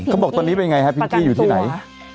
เขาบอกตอนนี้เป็นไงฮะพิงกี้อยู่ที่ไหน